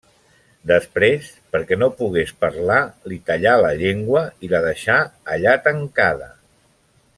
Després, perquè no pogués parlar, li tallà la llengua i la deixà allà tancada.